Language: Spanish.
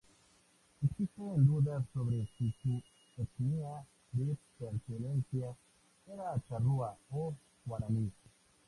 Existen dudas sobre si su etnia de pertenencia era charrúa o guaraní.